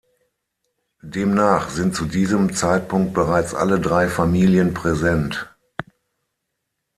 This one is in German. Demnach sind zu diesem Zeitpunkt bereits alle drei Familien präsent.